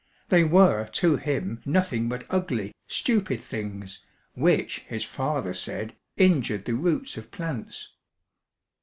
They were to him nothing but ugly, stupid things, which, his father said, injured the roots of plants.